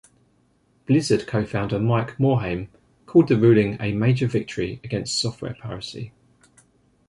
Blizzard co-founder Mike Morhaime called the ruling a major victory against software piracy.